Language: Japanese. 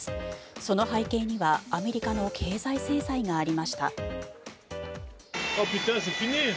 その背景には、アメリカの経済制裁がありました。